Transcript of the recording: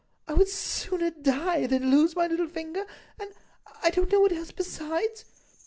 I would sooner die than lose my little finger—and—I don't know what else besides.